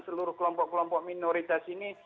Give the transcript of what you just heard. seluruh kelompok kelompok minoritas ini